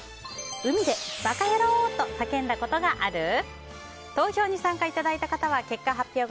海でバカヤローと叫んだことありますか？